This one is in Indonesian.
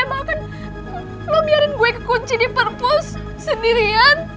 bahkan lo biarin gue kekunci di purpose sendirian